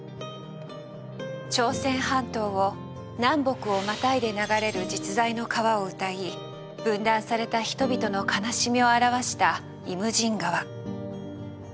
朝鮮半島を南北をまたいで流れる実在の川を歌い分断された人々の悲しみを表した「イムジン河」。